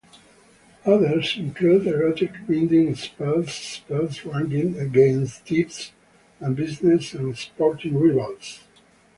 Others include erotic binding-spells, spells ranged against thieves, and business and sporting rivals.